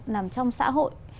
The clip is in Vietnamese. nằm trong xã hội